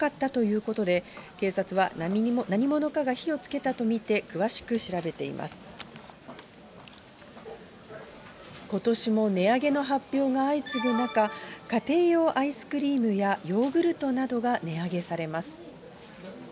ことしも値上げの発表が相次ぐ中、家庭用アイスクリームやヨーグルトなどが値上げされます。